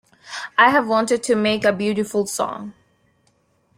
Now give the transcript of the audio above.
I've wanted to make a beautiful song.